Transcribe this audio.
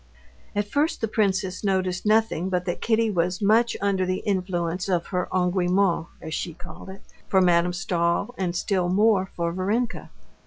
At first the princess noticed nothing but that Kitty was much under the influence of her engouement, as she called it, for Madame Stahl, and still more for Varenka.